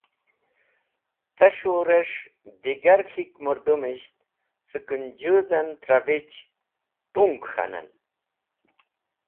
Pes̃hu’res̃h digar K̃hik mũrdũmisht cẽ Kũnjũdh en trẽvich t̃ung k̃hanen.